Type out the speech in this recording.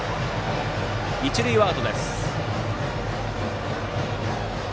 一塁はアウトです。